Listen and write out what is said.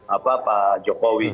apa pak jokowi